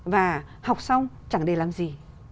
và học xong chẳng để làm gì